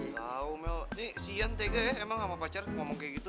kau mel ini sian tg ya emang sama pacar ngomong kayak gitu